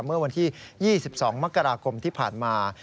เมื่อวันที่๒๒มกราคมที่ผ่านมา